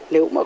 nếu mà có